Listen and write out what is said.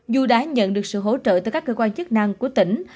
dù đã nhận được sự hỗ trợ từ các cơ quan chức năng của tỉnh